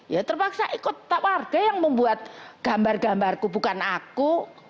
ya terpaksa ikut warga yang membuat gambar gambarku bukan aku